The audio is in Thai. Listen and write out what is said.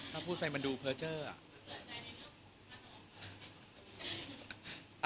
ถ้าพูดไปมันดูเพิ้ลเจ้ออะ